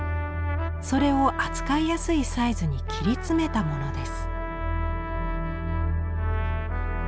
それを扱いやすいサイズに切り詰めたものです。